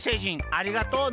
ありがとうね。